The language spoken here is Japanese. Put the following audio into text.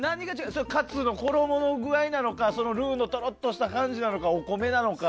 カツの衣の具合なのかルーのトロっとした感じなのかお米なのか。